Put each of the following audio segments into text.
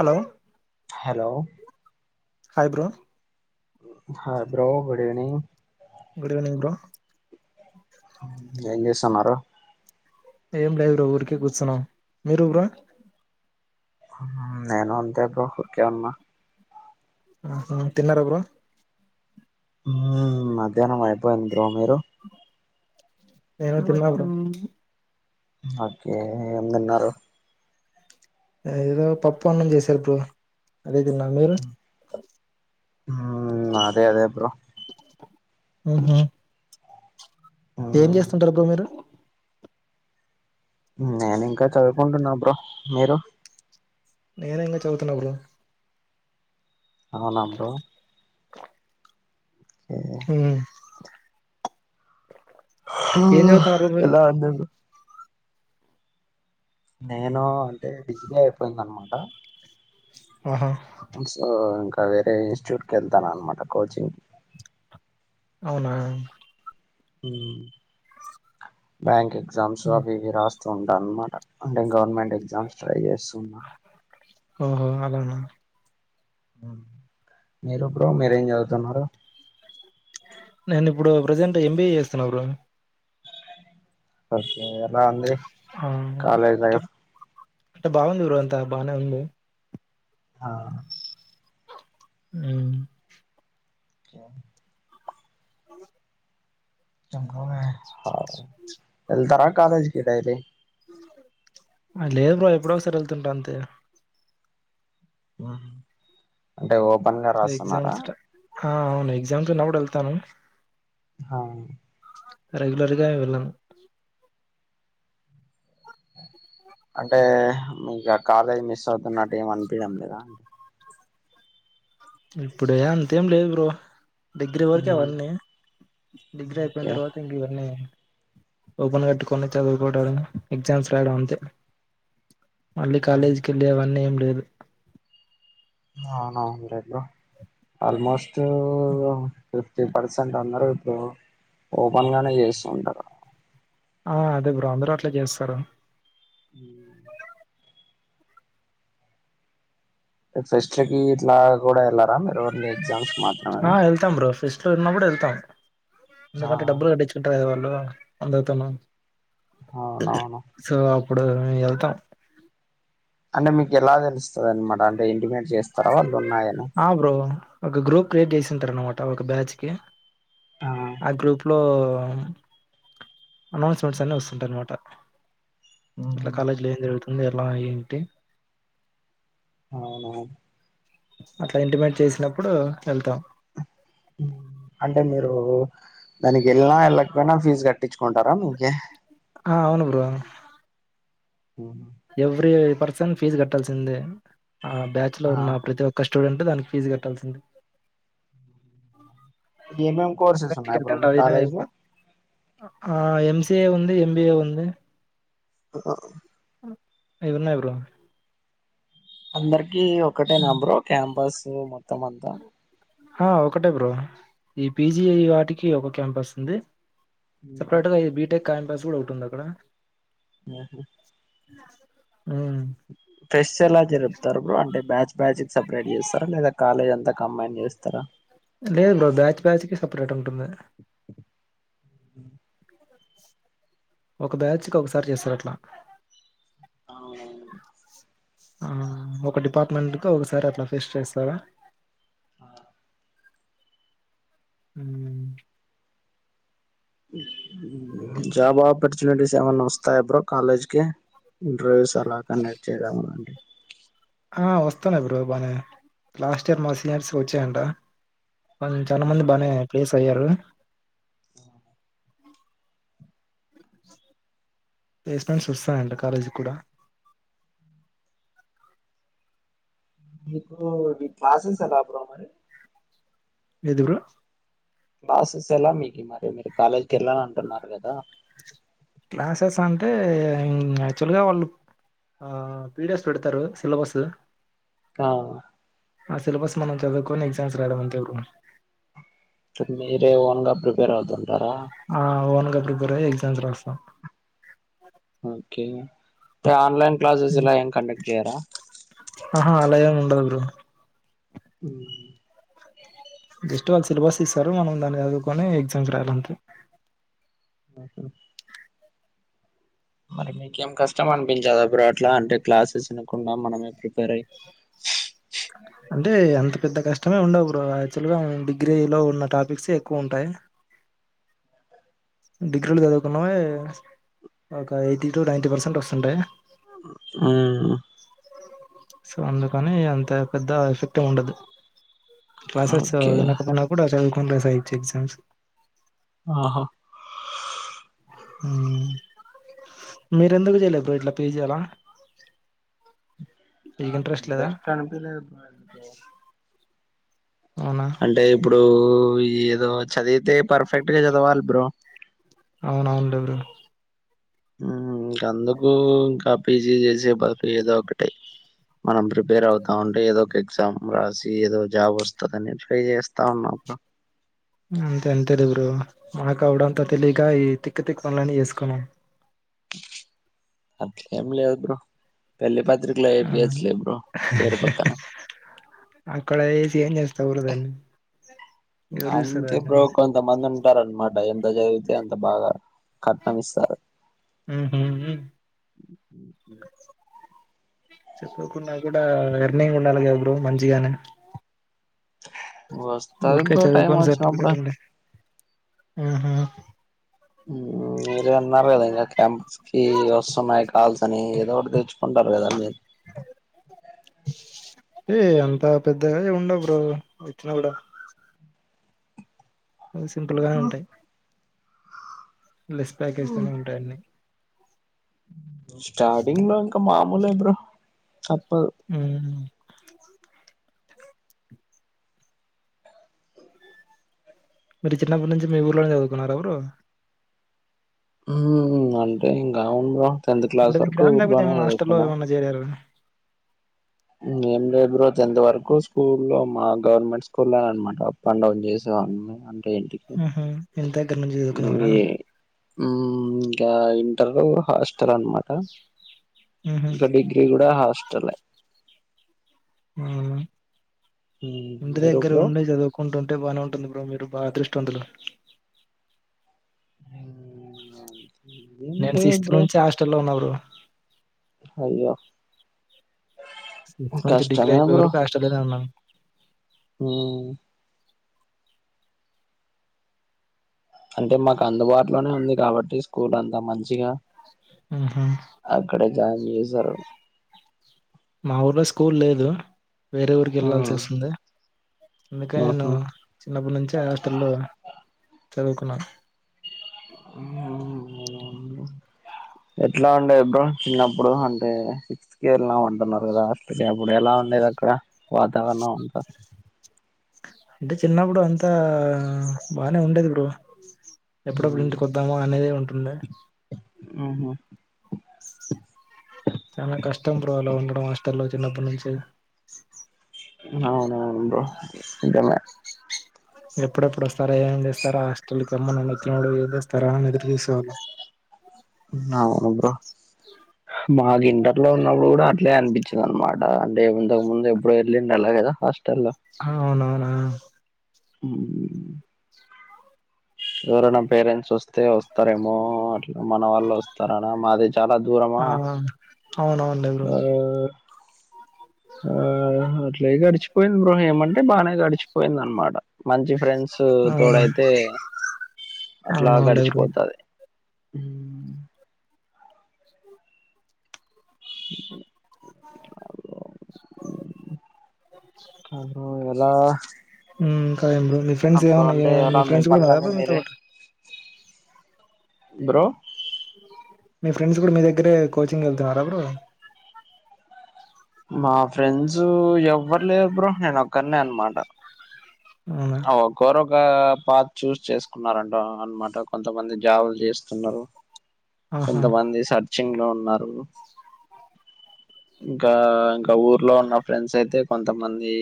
Hello hello hi bro hi bro good evening good evening bro ఏం చేస్తాన్నారు ఏం లేదు బ్రో ఊరికే కూర్చున్నాం మీరు బ్రో ఆహా నేను అంతేబ్రో ఊరికే ఉన్న ఆహా తిన్నారా బ్రో ఉమ్ మధ్యాహ్నం అయిపోయింది బ్రో మీరు నేను తిన్నా బ్రో ఓకే ఏం తిన్నారు అదేదో పప్పు అన్నం చేసారు బ్రో అదే తిన్నా మీరు ఉమ్ మాది అదే బ్రో ఆహ ఏం మ్మ్, చేస్తుంటారు బ్రో మీరు నేను ఇంకా చదువుకుంటున్నా బ్రో మీరు నేను ఇంకా చదువుతున్న బ్రో అవున బ్రో ఓకే. ఉ ఏం చదువుతున్నారు బ్రో మీరు ఎలా అందేడు నేను అంటే డిగ్రీ అయిపోయింది అన్నమాట ఆహా ఇంకా సో ఇంకా వేరే ఇన్స్టిట్యూట్ కి కెళ్తాను అన్నమాట కోచింగ్ కి అవునా ఉ బ్యాంక్ ఎగ్జామ్స్ మ్. అవివి రాస్తు ఉంటా అన్నమాట అంటే గవర్నమెంట్ ఎగ్జామ్స్ ట్రై చేస్తున్నా ఓహో అలాన్నా ఆ మీరు బ్రో మీరేం చదువుతున్నారు నేను ఇప్పుడు ప్రెజెంట్ ఎంబీఏ చేస్తున్నా బ్రో ఓకే ఎలా ఉంది ఆ [unintelligible] కాలేజ్ అంటే లైఫ్ అంటే బాగుంది బ్రో అంతా బానే ఉంది ఆ ఉ ఇంకా అ [unintelligible] [unintelligible] ఎళ్తారా కాలేజ్కి డైలీ ఆ లేదు బ్రో ఎప్పుడో ఒకసారి ఎళ్తుంటా అంతే వా అంటే ఓపెన్గా ఎసామ్స్ టా ఆ అవును ఎక్జామ్స్ ఉన్నప్పుడు ఎళ్తాను హవును రెగ్యలర్గా వెళ్ళను అంటే మీకా ఆ కాలేజ్ మిస్ అవుతున్నట్టు ఏం అనిపియడం లేదా ఇప్పుడే అంతేం లేదు బ్రో డిగ్రీ వరకే అవ్వన్నీ డిగ్రీ అయిపోయిన ఓకే తర్వాత ఇం ఇవన్నీ ఓపెన్ కట్టుకొని చదుకోడలు ఎగ్జామ్స్ రాయడం అంతే మళ్ళీ కాలేజీకి వెళ్ళే అవన్నీ ఏం లేదు అవునవులే బ్రో ఆల్మోస్ట్ ఫిఫ్టీ పర్సెంట్ అన్నారు ఇప్పుడు ఓపెన్ గానే చేస్తుంటారు ఆ అదే బ్రో అందరూ అట్లా చేస్తారు ఊ ఫెస్ట్ లకి ఇట్లా కూడా వెళ్లారా మీరు అన్ని ఎగ్జామ్స్ ఆ మాత్రమేనా వెళ్తాం బ్రో ఫిస్ట్ లో ఉన్నప్పుడు వెళ్తాం ఆ ఎందుకంటే డబ్బులు కట్టించు కుంటరు కదా వాళ్ళు అందరితోను అవునవును సో అప్పుడు వెళ్తాం అంటే మీకు ఎలా తెలుస్తది అనమాట అంటే ఇంటిమేట్ చేస్ ఆ బ్రో ఒక గ్రూప్ క్రియేట్ చేసింటారు అనమాట ఒక బ్యాచ్ కి ఆ గ్రూప్ లో అనౌన్స్మెంట్స్ అన్ని వస్తుంటా అన్నమాట ఇట్లా కాలేజీ లో ఏం జరుగుతు ఉంది అట్ల ఏంటి అవున అట్లా ఇంటిమేట్ చేసినప్పుడు వెళ్తాం ఉ అంటే మీరు దానికి వెళ్లిన వెళ్ళకపోయినా ఫీజు కట్టించుకుంటారా మీకి ఆ అవును బ్రో ఊ ఎవ్రీ పర్సన్ ఫీజ్ కట్టాల్సిందే ఆ బ్యాచ్ లో ఆ ఉన్న ప్రతి ఒక్ ఒక స్టూడెట్ దానికి ఫీజ్ కట్టాల్సిందే ఏం ఏం కోర్సెస్ ఉన్నాయి బ్రో మీ అవినా కాలేజ్ లో ఆ ఎంసిఏ ఉంది ఎంబిఏ ఉంది అ అవి వున్నై బ్రో అందరికి ఒకటే నంబర్ క్యాంపస్ మొత్తం అంతా ఆ ఒకటే బ్రో ఈ పీజీ వాటికి ఒక క్యాంపస్ ఉంది సపరేట్ గా ఇది బీటెక్ క్యాంపస్ కూడా ఒకటుంది అక్కడ ఉహు ఊ ఫెస్ట్ ఎలా జరుపుతారు బ్రో అంటే బ్యాచ్ బ్యాచ్ కి సపరేట్ చేస్తారా లేదా కాలేజ్ అంతా కంబైన్ చేస్తారా లేదు బ్రో బ్యాచ్ బ్యాచ్ కి సపరేట్ ఉంటుంది ఒక బ్యాచ్ కి ఒకసారి చేస్తారు అట్లా అవును ఆ ఒక డిపార్ట్మెంట్ కి ఒకసారి అట్లా ఫేస్ట్ చేస్తారా ఉమ్ జాబ్ ఆపర్చునిటీస్ ఏమన్నా వస్తాయా బ్రో కాలేజ్కి ఇంటర్వ్యూస్ అలా కండెక్ట్ చేయడం అలాంటి ఆ వస్తున్నాయి బ్రో బానే లాస్ట్ ఇయర్ మా సీనియర్స్ కి వచ్చాయంట వాల్ చాలా మంది బానే ప్లేస్ అయ్యారు ఆ ప్లేస్‌మెంట్లు వాస్తాయంట కాలేజీకి కూడా మీకూ ఈ క్లాసెస్ ఎలా బ్రో మరి ఎంది బ్రో క్లాసెస్ ఎలా మీకి మరి మీరు కాలేజ్కి వెళ్ళా అంటున్నారు కదా క్లాసెస్ అంటే ఊ యాక్చువల్ గా వాళ్ళు ఆ పిడిఎస్ పెడతారు సిలబస్ ఆ ఆ సిలబస్ మనం చదువుకని ఎగ్జామ్స్ రాయడం అంతెవురు మీరేమన్నా ప్రిపేర్ అవుతుంటారా ఆ ఓన్ గా ప్రిపేర్ అయ్యి ఎగ్జామ్స్ రాస్తాం ఓకే ఆన్లైన్ క్లాసెస్ ఇలా ఏం కండక్ట్ చేయరా ఆహా అలా ఎమ్ ఉండదు బ్రో [inaudible] జస్ట్ వాళ్ళ సిలబస్ ఇస్తారు మనం దాన్ని చదువుకొని ఎగ్జామ్స్ రాయాలంతే వు హు మరి మీకేం కష్టం అనిపించద బ్రో అట్లా అంటే క్లాసెస్ వినకుండా మనమే ప్రిపేర్ అయి అంటే అంత పెద్ద కష్టమే ఉండవు బ్రో యాక్చువల్ గా డిగ్రీ లో ఉన్న టాపిక్స్ ఎక్కువ ఉంటాయి డిగ్రీలు చదువుకున్నవే ఒక ఎయిటీ టు నైన్ంటీ పర్సెంట్ వస్తుంటాయి మ్ సో అందుకని అంత పెద్ద ఎఫెక్ట్ ఏం ఉండదు క్లాసెస్ ఓకే వినకపోయినా కూడా చదువుకుని రాసేయోచ్చ ఎగ్జామ్స్ ఆహా [inaudible] మీరెందుకు చెయలేబ్రో ఇట్లా పీజీ అలా మీకు నాక్ లేదా ఇంట్రెస్ట్ అనిపిలేదు అవునా అంటే ఇప్పుడు ఏదో చదివితే పర్ఫెక్ట్ గా చదవాలి బ్రో అవునవును లె బ్రో మ్ ఇంకా అందుకు ఇంకా పీజీ చేసే బ ఏదో ఒకటే మనం ప్రిపేర్ అవుతా ఉంటే ఏదో ఒక ఎగ్జామ్ రాసి ఏదో జాబ్ వస్తుందని ట్రై చేస్తా ఉన్నా అంతే అంతే లె బ్రో మాకు అపుడంతా తెలియక ఈ తిక్క తిక్ పనులన్నీ చేసుకున్నాం అట్లేం లేదు బ్రో పెళ్లి పత్రికలో ఆ, ఏపియచ్చలే బ్రో పేరు పక్కన అక్కడ ఏసి ఏం చేస్తా బ్రో దాన్ని ఎవరు చూస్తారు అంతే దాన్ని బ్రో కొంతమంది ఉంటారనమాట ఎంత జదివితే అంత బాగా కట్నం ఇస్తారు మ్ హు హు చదువుకున్న కూడా ఎర్నింగ్ ఉండాలి కదా బ్రో మంచిగానే వస్తది ఊర్కే బ్రో టైం చదువుకోని వచ్చినప్పుడు సర్ఫికట్ ఉంటే మీరు అన్నార గదా ఇక క్యాంప్స్ కి వస్తున్నాయి కాల్స అని ఏదో ఒకటి తెచ్చుకుంటారు కదా మీరు అంటే అంత పెద్దగా ఏం ఉండవ్ బ్రో పెట్టిన కూడా సింపుల్ గానే ఉంటాయి లెస్ ప్యాకేజ్ తోనే ఉంటాయన్ని స్టార్టింగ్ లో ఇంకా మామూలే బ్రో తప్పదు మ్ మీరు చిన్నప్పటి నుంచి మీ ఊర్లోనే చదువుకున్నార బ్రో మ్ అంటే ఇంకా ఏముంది బ్రో టెన్త్ క్లాస్ వరకు ఊర్లోనే చదువుకున్నా జేరారు ఏంలే బ్రో తెంత్ వరకు స్కూల్ లో మా గవర్నమెంట్ స్కూల్లో ననమాట అప్ అండ్ డౌన్ చేసేవాడ్ని అంటే ఏంటి ఉహు ఎంత గంజు ఇది ఇంకా ఇంటర్ హాస్టల్ అన్నమాట ఊహూ ఇంకా డిగ్రీ కూడా హాస్టల్ ఏ ఊ ఉమ్, ఇంటి మీరు దగ్గర బ్రో ఉండే చదువు కొంటుంటే బానే వుంటుంది బ్రో మీరు బా అదృష్టవంతులు ఊ నేను సిక్స్త్ నుంచి హాస్ట లో ఉన్న బ్రో అయ్యో సిక్స్త్ మంచి డిగ్రీ కష్టమే అయిపోయవరకు హాస్టల్ లనె వున్నాను ఊ అంటే మాకు అందుబాటులోనే ఉంది కాబట్టి స్కూల్ అంతా మంచిగా ఉహు అక్కడే జాయిన్ చేసరు మా ఊర్లో స్కూల్ లేదు వేరే ఊరికి వెళ్లాాల్సి ఉమ్ వస్తుంది అందుకే నేను ఉహు చిన్నప్పటి నుంచే హాస్టల్లో చదువుకున్నాను ఊ ఎట్లా ఉండే బ్రో చిన్నప్పుడు అంటే స్కెర్ల ఉంటున్నారు కదా అక అప్పుడు ఎలా ఉండేది అక్కడ వాతావరణం అంత అంటే చిన్నప్పుడు అంతా బానే ఉండేది ఇప్పుడు ఎప్పుడేప్పుడు ఇంటికొద్దామో అనేది ఉంటుండే ఆహ చాలా కష్టం బ్రో అల ఉండడం హస్టల్ లో చిన్నప్పటి నుంచి అవునవును బ్రో నిజనే ఎప్పుడెప్పుడు వస్తారా ఏమేం చేస్తారా హాస్టల్ కి అమ్మ నాన్న వచ్చినపుడు ఏం తెస్తరా అని ఎదురు చూసేవాళ్లం అవును బ్రో మాకు ఇంటర్ లో ఉన్నప్పుడు కూడా అట్లే అనిపించింది అనమాట అంటే ఇంతకు ముందు ఎప్పుడో వెళ్ళిండడు అలా గదా హాస్టల్లో అవునవునా ఊ ఎవరైనా పేరెంట్స్ వస్తే వస్తారేమో అట్లా మన వాళ్ళు వస్తారనా మాదే చాలా దూరం ఆ అవునవును ఆ ఆ అట్లే గడిచు పోయింది బ్రో ఏమంటే బానే గడిచిపోయింది అనమాట మంచి ఫ్రెండ్స్ అవును తోడయితే అట్లా అవునవునులే బ్రో గడిచిపోతది ఊ అగొ లా ఊ ఇంకా ఏం బ్రో మీ ఫ్రెండ్స్ ఏమన్న అంటే ఎలా మీ ఫ్రెండ్స్ కూడా ఉన్నారా పనులన్నీ బ్రో మీతో మీరే పాటు బ్రో మీ ఫ్రెండ్స్ కూడా మీ దగ్గరే కోచింగ్ వెళ్తున్నార బ్రో మా ఫ్రెండ్స్ ఎవరు లే బ్రో నేనొక్కడినే అనమాట అవునా ఒకోరొక పాత్ చూస్ చేసుకున్నారనమాట కొంతమంది జాబులు చేస్తున్నారు ఆహా కొంతమంది సర్చింగ్ లో ఉన్నారు ఇంకా ఇంకా ఊర్లో ఉన్న ఫ్రెండ్స్ అయితే కొంతమంది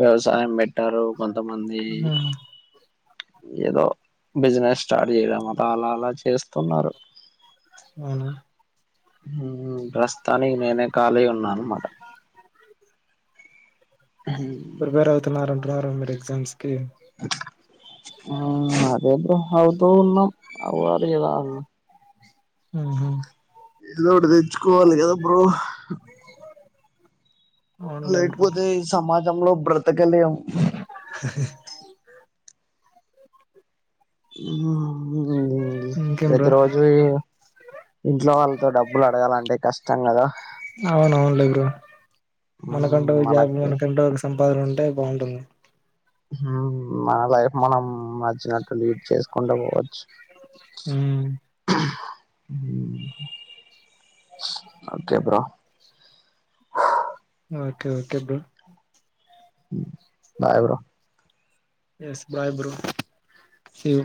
వ్యవసాయం పెట్టారు కొంతమంది ఉమ్, ఏదో బిజినెస్ స్టార్ట్ చేయడం అతా అలా అలా చేస్తున్నారు అవునా ఊ ప్రస్తుతానికి నేనే ఖాళీ ఉన్నా అనమాట ప్రిపేర్ అవుతున్నారు అంటున్నారు మీరు ఎగ్సామ్స్ కి ఆ అదే బ్రో అవుతూ ఉన్నాం [unintelligible] ఊ ఇదో ఒకటి తెచ్చుకోవాలి కదా బ్రో అవునులే బ్రో లేకపోతే ఈ సమాజంలో బ్రతకలేం [inaudible] ఇంకేం ప్రతి బ్రో రోజూ ఏ ఇంట్లో వాళ్ళతో డబ్బులు అడగాలంటే కష్టం కదా అవునవును లే వీరు ఉమ్ మనకంటే జాబ్ మనకి [unintelligible] సంపాదన ఉంటే బావుంటుం హుమ్ మన లైఫ్ మనం నచ్చినట్టు లీడ్ చేసుకుంటా పోవచ్చు ఊ ఊహూ అంతే bro okay okay bro bye bro yes bye bro see you